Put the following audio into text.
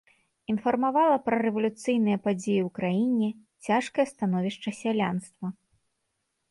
Інфармавала пра рэвалюцыйныя падзеі ў краіне, цяжкае становішча сялянства.